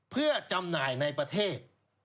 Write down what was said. เพื่อจำหน่ายในประเทศ